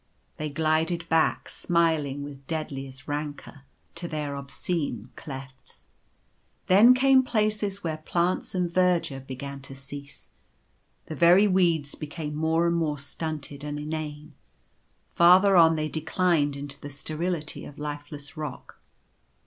They glided back, smiling with deadliest rancour, to their obscene clefts. Then came places where plants and verdure began to cease. The very weeds became more and more stunted and inane. Farther on they declined into the sterility of lifeless rock.